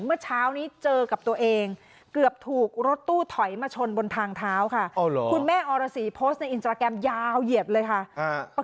เมื่อเช้านี้เจอกับตัวเองเกือบถูกรถตู้ถอยมาชนบนทางเท้าค่ะคุณแม่อรสีโพสต์ในอินสตราแกรมยาวเหยียดเลยค่ะ